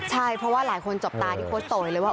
ใช่เพราะว่าหลายคนจับตาที่โค้ชโตยเลยว่า